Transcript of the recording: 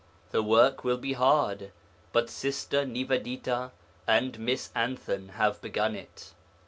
The work will be hard, but Sister Nivedita and Miss Anthon have begun it.